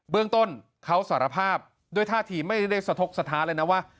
เรื่องต้นเขาสารภาพด้วยท่าทีไม่ได้สะทกสะท้าเลยนะว่า